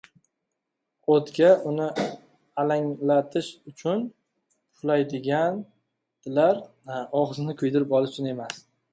• O‘tga uni alangalatish uchun puflaydilar, og‘izni kuydirib olish uchun emas.